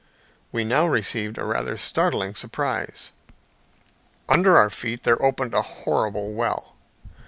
We now received a rather startling surprise. Under our feet there opened a horrible well.